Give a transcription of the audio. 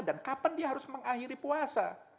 dan kapan dia harus mengakhiri puasa